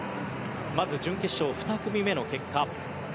準決勝２組目の結果。